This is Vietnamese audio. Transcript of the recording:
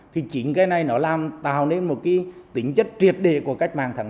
thì chính cái này nó làm tạo nên một cái tính chất triệt đề của cách mạng tháng tám